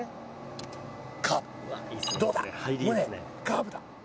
カーブだ。